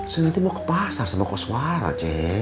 sementara mau ke pasar sama koswara cem